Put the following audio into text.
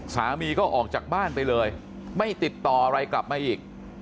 สามีก็ออกจากบ้านไปเลยไม่ติดต่ออะไรกลับมาอีก